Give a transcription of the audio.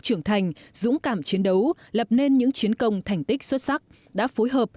trưởng thành dũng cảm chiến đấu lập nên những chiến công thành tích xuất sắc đã phối hợp